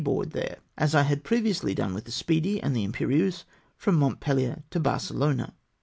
^fM^ board there, as I had previously done with the Speed)/ and Imperieuse, from MontpeUier to Barcelona.